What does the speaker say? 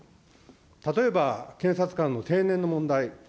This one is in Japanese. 例えば検察官の定年の問題。